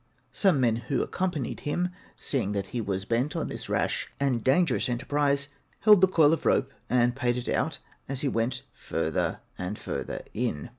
Some men who accompanied him (seeing that he was bent on this rash and dangerous emprise,) held the coil of rope, and paid it out as he went further and further in.